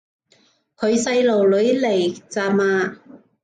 佢細路女嚟咋嘛